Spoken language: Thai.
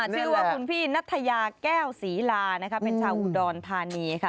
ชื่อว่าคุณพี่นัทยาแก้วศรีลานะคะเป็นชาวอุดรธานีค่ะ